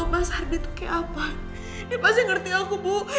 pasti ngerti aku bu